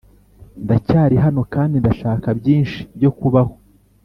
ndacyari hano kandi ndashaka byinshi byo kubaho,